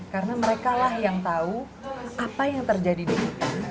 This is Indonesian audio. karena mereka lah yang tahu apa yang terjadi di dunia